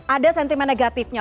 ada sentimen negatifnya